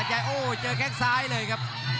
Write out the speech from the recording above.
ตอนนี้โอ้โหเจอแค่นที่ซ้ายเลยครับ